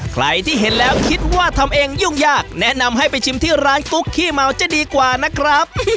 ใครที่เห็นแล้วคิดว่าทำเองยุ่งยากแนะนำให้ไปชิมที่ร้านกุ๊กขี้เมาจะดีกว่านะครับ